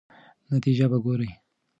نتیجه به ګورئ.